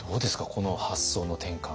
この発想の転換。